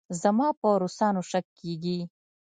زما په روسانو شک کېږي.